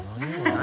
何？